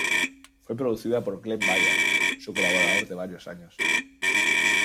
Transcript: Fue producida por Glen Ballard, su colaborador de varios años.